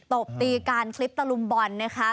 ตบตีการคลิปตะลุมบอลนะคะ